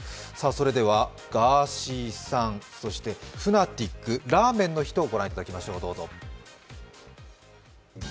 それではガーシーさん、そしてＦＮＡＴＩＣ、ラーメンの日と御覧いただきましょう、どうぞ。